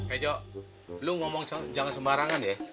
eh jok lo ngomong jangan sembarangan ya